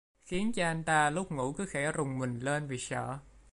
Khiến cho anh ta lúc ngủ cứ khẽ rùng mình lên vì sợ